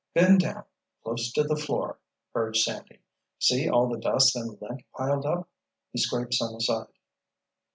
"Bend down, close to the floor," urged Sandy. "See all the dust and lint piled up?" He scraped some aside.